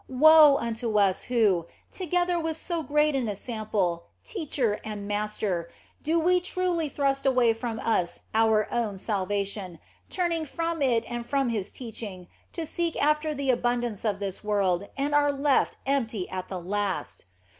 Woe unto us, who, together with so great an ensample, teacher, and master, do truly thrust away from us our own salvation, turning from it and from His teaching to seek after the abundance of this world, and are left empty at the last